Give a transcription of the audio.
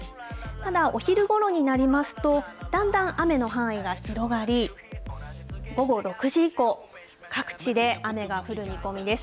ただ、お昼ごろになりますと、だんだん雨の範囲が広がり、午後６時以降、各地で雨が降る見込みです。